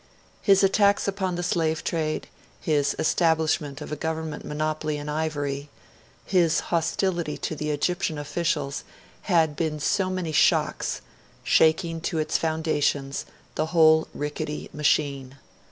His attacks upon the slave trade, his establishment of a government monopoly in ivory, his hostility to the Egyptian officials, had been so many shocks, shaking to its foundations the whole rickety machine.